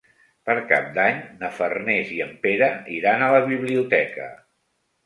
Per Cap d'Any na Farners i en Pere iran a la biblioteca.